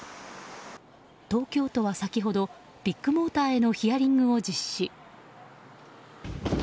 東京都は先ほどビッグモーターへのヒアリングを実施。